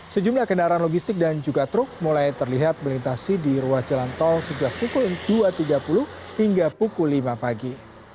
sejumlah kendaraan logistik dan juga truk mulai terlihat melintasi di ruas jalan tol sejak pukul dua tiga puluh hingga pukul lima pagi